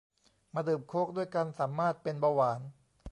มาดื่มโค้กด้วยกันสามารถเป็นเบาหวาน